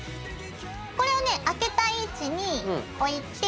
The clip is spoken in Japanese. これをね開けたい位置に置いて。